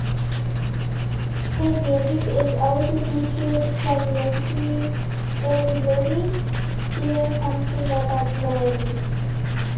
His music is also featured prominently in the movie "There's Something About Mary".